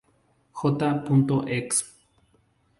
J. Exp.